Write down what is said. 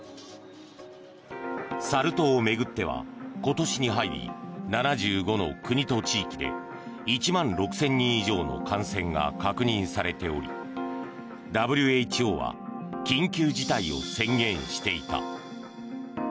サル痘を巡っては今年に入り、７５の国と地域で１万６０００人以上の感染が確認されておりＷＨＯは緊急事態を宣言していた。